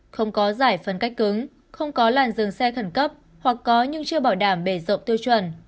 không có giải phân cách cứng không có làn dừng xe khẩn cấp hoặc có nhưng chưa bảo đảm bể rộng tiêu chuẩn